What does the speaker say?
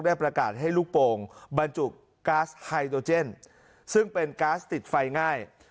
ประกาศให้ลูกโป่งบรรจุก๊าซไฮโดเจนซึ่งเป็นก๊าซติดไฟง่าย